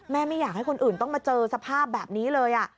ไม่อยากให้คนอื่นต้องมาเจอสภาพแบบนี้เลย